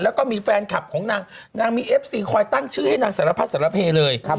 แล้วก็มีแฟนคลับของนางนางมีเอฟซีคอยตั้งชื่อให้นางสารพัดสารเพเลย